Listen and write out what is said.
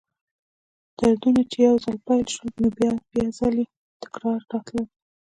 دردونه چې به یو ځل پیل شول، نو بیا بیا ځلې به تکراراً راتلل.